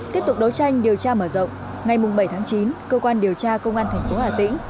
tiếp tục đấu tranh điều tra mở rộng ngày bảy tháng chín cơ quan điều tra công an thành phố hà tĩnh